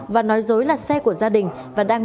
và nói dối là xe của gia đình